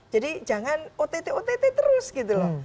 jadi jangan ott ott terus gitu loh